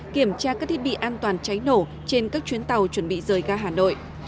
kiểm tra các thiết bị an toàn cháy nổ trên các chuyến tàu chuẩn bị rời ra hà nội